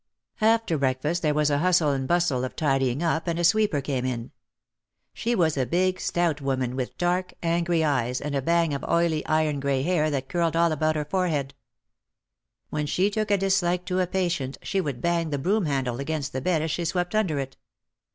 After breakfast there was a hustle and 242 OUT OF THE SHADOW bustle of tidying up, and a sweeper came in. She was a big, stout woman with dark, angry eyes and a bang of oily iron grey hair that curled all about her forehead. When she took a dislike to a patient she would bang the broom handle against the bed as she swept under it.